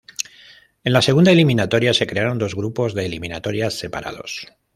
En la segunda eliminatoria se crearon dos grupos de eliminatorias separados.